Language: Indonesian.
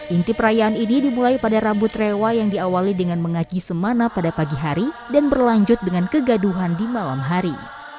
inti perayaan ini dimulai pada rambut rewa yang diawali dengan mengaji semana pada pagi hari dan berlanjut dengan kegaduhan di malam hari